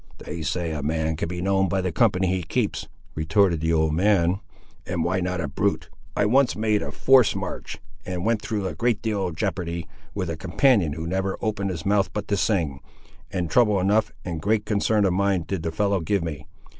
"They say a man can be known by the company he keeps," retorted the old man, "and why not a brute? I once made a forced march, and went through a great deal of jeopardy, with a companion who never opened his mouth but to sing; and trouble enough and great concern of mind did the fellow give me.